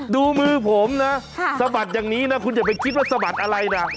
ดูมือผมนะสะบัดอย่างนี้นะคุณอย่าไปคิดว่าสะบัดอะไรนะ